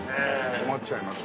困っちゃいますもんね。